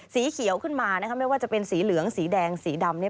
สีเขียวขึ้นมาไม่ว่าจะเป็นสีเหลืองสีแดงสีดำ